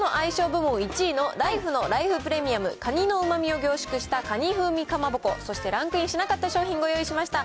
部門１位のライフのライフプレミアム、カニのうまみを凝縮したカニ風味かまぼこ、そしてランクインしなかった商品ご用意しました。